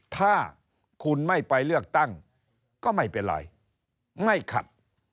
ถ้าคุณไม่ไปเลือกตั้งก็ไม่เป็นไรไม่ขัด